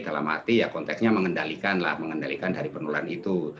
dalam arti ya konteksnya mengendalikan lah mengendalikan dari penularan itu